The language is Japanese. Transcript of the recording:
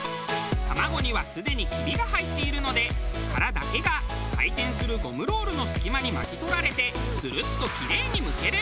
卵にはすでにヒビが入っているので殻だけが回転するゴムロールの隙間に巻き取られてツルッとキレイにむける。